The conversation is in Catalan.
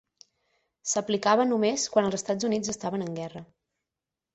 S'aplicava només quan els Estats Units estaven en guerra.